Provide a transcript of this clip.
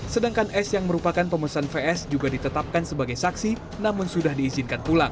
sedangkan s yang merupakan pemesan vs juga ditetapkan sebagai saksi namun sudah diizinkan pulang